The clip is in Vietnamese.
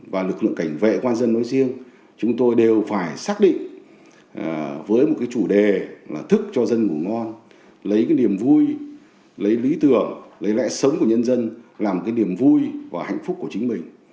và lực lượng cảnh vệ quang dân nói riêng chúng tôi đều phải xác định với một cái chủ đề là thức cho dân ngủ ngon lấy cái niềm vui lấy lý tưởng lấy lẽ sống của nhân dân làm cái niềm vui và hạnh phúc của chính mình